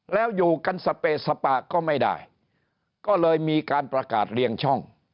แล้วอยู่กันสเปสปะก็ไม่ได้ก็เลยมีการประกาศเรียงช่อง